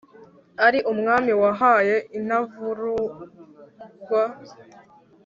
ari umwami wahawe intavurungwa,